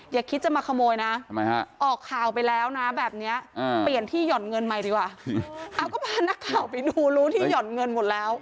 อย่าคิดจะมาขโมยนะออกข่าวไปแล้วนะแบบนี้เปลี่ยนที่หย่อนเงินใหม่ดีกว่าเอาก็พานักข่าวไปดูรู้ที่ห่อนเงินหมดแล้ว